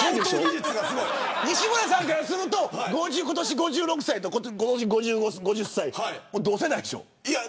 西村さんからすると今年５６歳と今年５０歳、同世代でしょ。